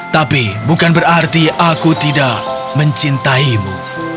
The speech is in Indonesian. tapi bukan berarti aku tidak mencintaimu